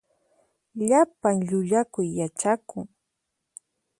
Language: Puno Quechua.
Llapan llullakuy yachakun.